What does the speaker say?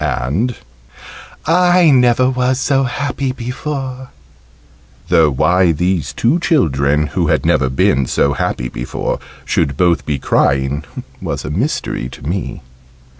and "I never was so happy before," though why these two children who had never been so happy before should both be crying was a mystery to me.